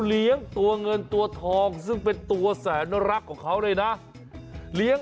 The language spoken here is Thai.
เหลี้ยงตัวเงินตัวทองซึ่งเป็นตัวแสนลักษณ์ของเขาเลยนะ